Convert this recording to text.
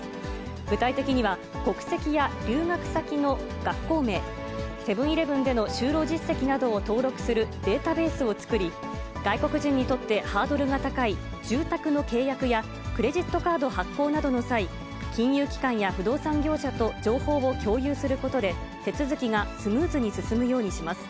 具体的には、国籍や留学先の学校名、セブンーイレブンでの就労実績などを登録するデータベースを作り、外国人にとってハードルが高い、住宅の契約やクレジットカード発行などの際、金融機関や不動産業者と情報を共有することで、手続きがスムーズに進むようにします。